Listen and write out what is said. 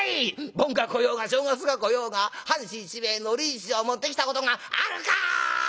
盆が来ようが正月が来ようが半紙一枚海苔一帖持ってきたことがあるか！』